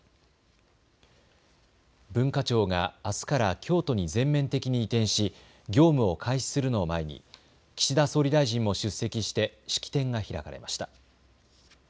文化庁があすから京都に全面的に移転し業務を開始するのを前に岸田総理大臣も出席して式典が開かれました。